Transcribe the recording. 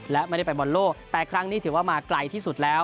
และไม่ได้ไปบอลโลกแต่ครั้งนี้ถือว่ามาไกลที่สุดแล้ว